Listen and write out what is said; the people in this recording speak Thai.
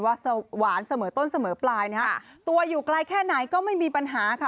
หวานเสมอต้นเสมอปลายนะฮะตัวอยู่ไกลแค่ไหนก็ไม่มีปัญหาค่ะ